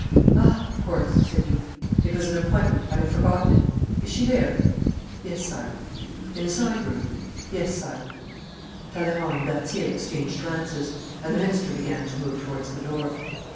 'Ah, of course,' said he. 'It was an appointment. I had forgotten it. Is she there?' 'Yes, Sire.' 'In the side room?' 'Yes, Sire.' Talleyrand and Berthier exchanged glances, and the minister began to move towards the door.